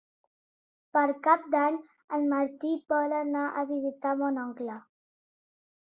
Per Cap d'Any en Martí vol anar a visitar mon oncle.